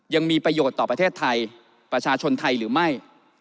ยังมีประโยชน์ต่อประเทศไทยประชาชนไทยหรือไม่